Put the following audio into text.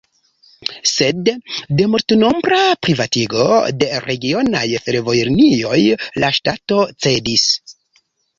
Sed de multnombra privatigo de regionaj fervojlinioj la ŝtato cedis.